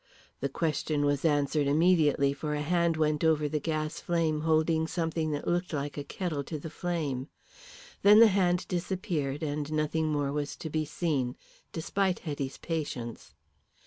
The question was answered immediately, for a hand went over the gas flame holding something that looked like a kettle to the flame. Then the hand disappeared and nothing more was to be seen, despite Hetty's patience.